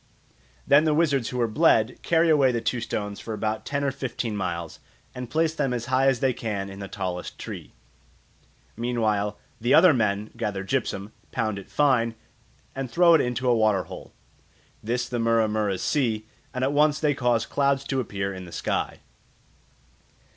Then the wizards who were bled carry away the two stones for about ten or fifteen miles, and place them as high as they can in the tallest tree. Meanwhile the other men gather gypsum, pound it fine, and throw it into a water hole. This the Mura muras see, and at once they cause clouds to appear in the sky.